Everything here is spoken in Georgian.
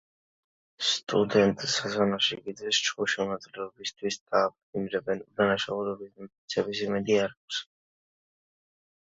სტუდენტ ზაზა ნაკაშიძეს, ჩხუბში მონაწილეობისთვის დააპატიმრებენ, უდანაშაულობის დამტკიცების იმედი არ აქვს.